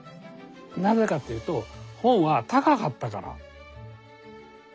なぜかというと本は高かったから。